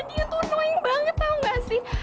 dia tuh knowing banget tau gak sih